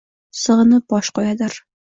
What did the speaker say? Sig’inib bosh qo’yadir.